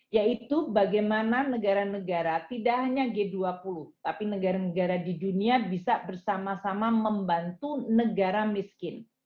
yaitu bagaimana negara negara tidak hanya g dua puluh tapi negara negara di dunia bisa bersama sama membantu negara miskin